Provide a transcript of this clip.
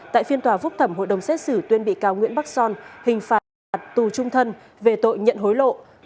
tại phiên tòa phúc thẩm hội đồng xét xử tuyên bị cáo nguyễn bắc son hình phạt tù trung thân về tội nhận hối lộ